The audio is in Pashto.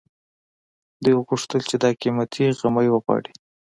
دوی غوښتل چې دا قيمتي غمی وغواړي